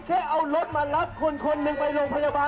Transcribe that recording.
แค่เอารถมารับคนคนหนึ่งไปโรงพยาบาล